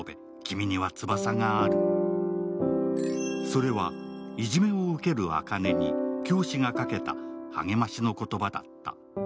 それは、いじめを受ける朱音に教師がかけた励ましの言葉だった。